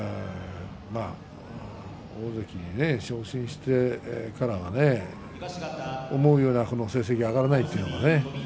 大関に昇進してからは思うような成績が上がらないですよね。